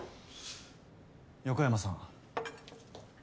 横山さん。